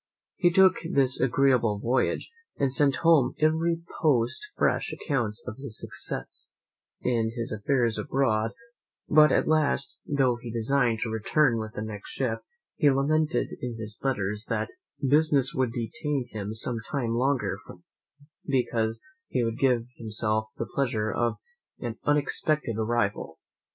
He took this agreeable voyage, and sent home every post fresh accounts of his success in his affairs abroad; but at last, though he designed to return with the next ship, he lamented in his letters that "business would detain him some time longer from home," because he would give himself the pleasure of an unexpected arrival.